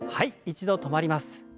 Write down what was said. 一度止まります。